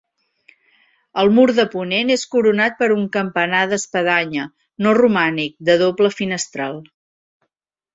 El mur de ponent és coronat per un campanar d'espadanya, no romànic, de doble finestral.